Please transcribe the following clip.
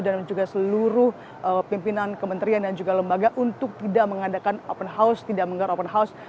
dan juga seluruh pimpinan kementerian dan juga lembaga untuk tidak mengadakan open house tidak menggelar open house